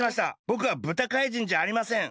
ぼくは豚怪人じゃありません！